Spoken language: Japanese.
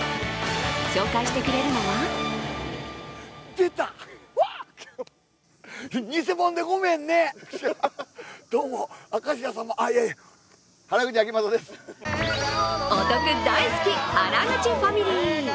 紹介してくれるのはお得大好き、原口ファミリー！